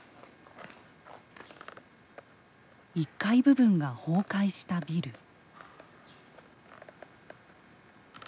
１階部分が崩壊したビル。